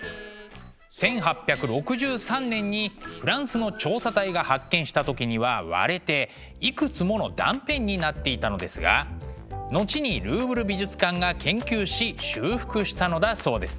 １８６３年にフランスの調査隊が発見した時には割れていくつもの断片になっていたのですが後にルーブル美術館が研究し修復したのだそうです。